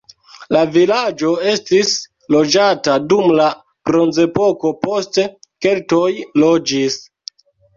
La vilaĝo estis loĝata dum la bronzepoko, poste keltoj loĝis.